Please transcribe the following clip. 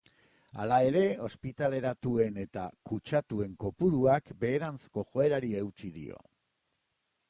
Hala ere, ospitaleratuen eta kutsatuen kopuruak beheranzko joerari eutsi dio.